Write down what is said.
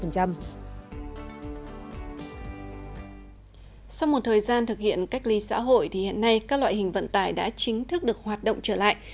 các loại hình vận tải đã chính thức được hoạt động trở lại